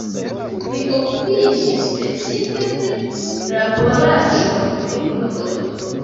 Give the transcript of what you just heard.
Li okupiĝis precipe pri laboraĵoj de grundoj.